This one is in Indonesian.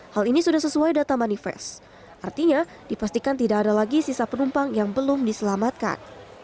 hal ini sudah sesuai data manifest artinya dipastikan tidak ada lagi sisa penumpang yang belum diselamatkan